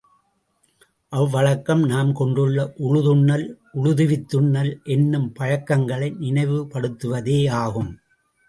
அவ்வழக்கம் நாம் கொண்டுள்ள உழுதுண்ணல், உழுவித்துண்ணல் என்னும் பழக்கங்களை நினைவுபடுத்துவதேயாகும்.